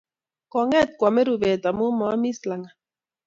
Konget koame rubet amu maamis langat.